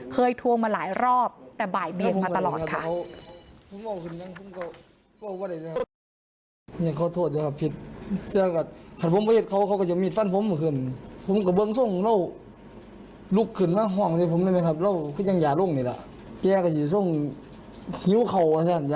ทวงมาหลายรอบแต่บ่ายเบียงมาตลอดค่ะ